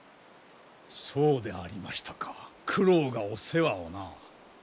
そうでありましたか九郎がお世話をな。